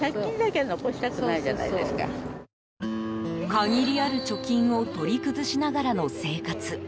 限りある貯金を取り崩しながらの生活。